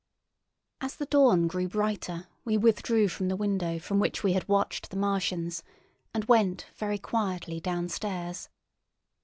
As the dawn grew brighter we withdrew from the window from which we had watched the Martians, and went very quietly downstairs.